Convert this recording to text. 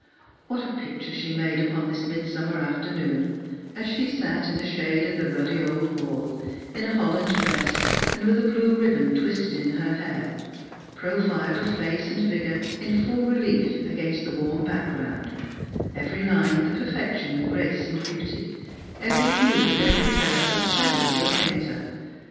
What a picture she made upon this midsummer afternoon, as she sat in the shade of the ruddy old wall, in a holland dress, and with a blue ribbon twisted in her hair, profile of face and figure in full relief against the warm background, every line the perfection of grace and beauty, every hue and every curve a study for a painter